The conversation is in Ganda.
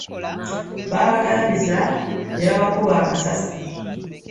Babagalamizza ne babakuba amasasi.